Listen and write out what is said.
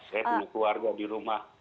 saya punya keluarga di rumah